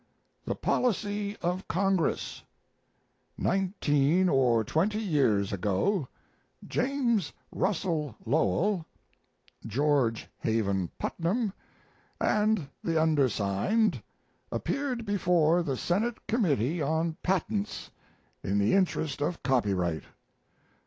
The Policy of Congress: Nineteen or twenty years ago James Russell Lowell, George Haven Putnam, and the under signed appeared before the Senate Committee on Patents in the interest of Copyright.